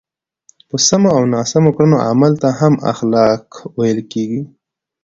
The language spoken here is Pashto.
په سمو او ناسم کړنو عمل ته هم اخلاق ویل کېږي.